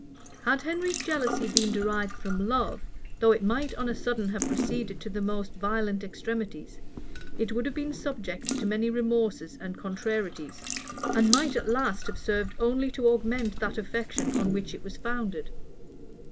Had Henry's jealousy been derived from love, though it might on a sudden have proceeded to the most violent extremities, it would have been subject to many remorses and contrarieties; and might at last have served only to augment that affection on which it was founded.